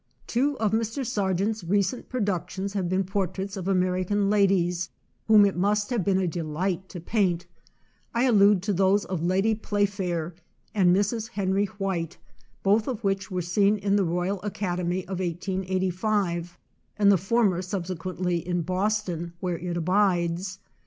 Two of Mr. Sargent's recent productions have been portraits of American ladies whom it must have been a delight to paint; I allude to those of Lady Play fair and Mrs. Henry White, both of which were seen in the Royal Academy of 1885, and the former subsequently in Boston, where it abides.